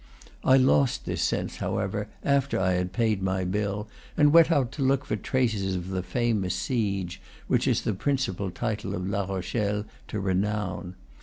I lost this sense, however, after I had paid my bill, and went out to look for traces of the famous siege, which is the principal title of La Rochelle to renown.